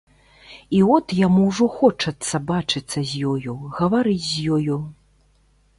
І от яму ўжо хочацца бачыцца з ёю, гаварыць з ёю.